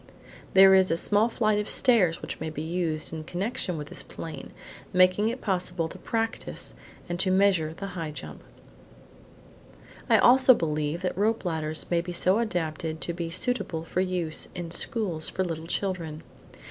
There is a small flight of stairs which may be used in connection with this plane, making it possible to practise and to measure the high jump. I also believe that rope ladders may be so adapted as to be suitable for use in schools for little children.